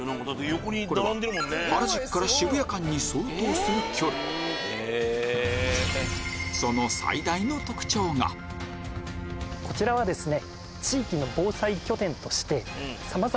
これは原宿から渋谷間に相当する距離こちらはですね。